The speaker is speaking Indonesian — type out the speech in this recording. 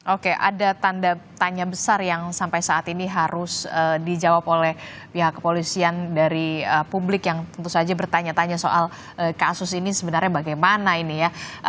oke ada tanda tanya besar yang sampai saat ini harus dijawab oleh pihak kepolisian dari publik yang tentu saja bertanya tanya soal kasus ini sebenarnya bagaimana ini ya